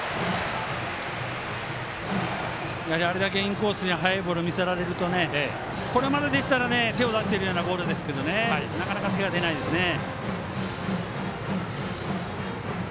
あれだけ、インコースに速いボールを見せられるとこれまででしたら手を出しているようなボールですけどなかなか手が出ないですね。